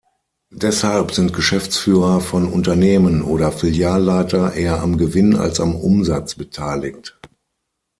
Deshalb sind Geschäftsführer von Unternehmen oder Filialleiter eher am Gewinn als am Umsatz beteiligt.